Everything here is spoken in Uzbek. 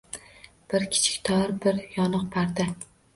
Bir kichik tor, bir yoniq parda